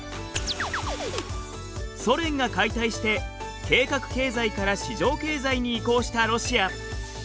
ソ連が解体して計画経済から市場経済に移行したロシア。